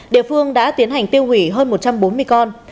địa phương đã tiến hành tiêu hủy hơn một trăm bốn mươi con